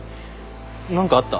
何かあった？